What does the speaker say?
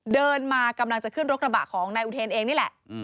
เดินมากำลังจะขึ้นรถกระบะของนายอุเทนเองนี่แหละ